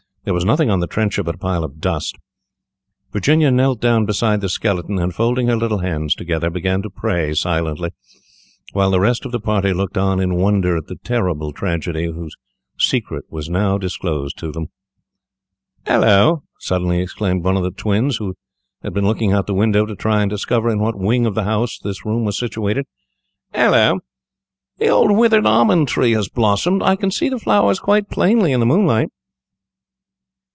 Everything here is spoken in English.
There was nothing on the trencher but a pile of dust. Virginia knelt down beside the skeleton, and, folding her little hands together, began to pray silently, while the rest of the party looked on in wonder at the terrible tragedy whose secret was now disclosed to them. [Illustration: "CHAINED TO IT WAS A GAUNT SKELETON"] "Hallo!" suddenly exclaimed one of the twins, who had been looking out of the window to try and discover in what wing of the house the room was situated. "Hallo! the old withered almond tree has blossomed. I can see the flowers quite plainly in the moonlight."